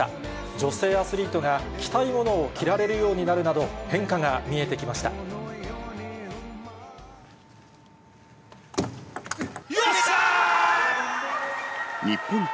女性アスリートが着たいものを着られるようになるなど、変化が見よし、決めた！